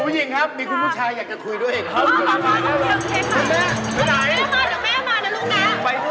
ผู้หญิงครับมีคุณผู้ชายอยากจะคุยด้วยครับ